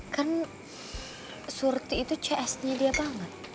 kan surti itu csnya dia banget